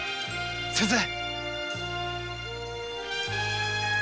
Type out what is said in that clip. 先生。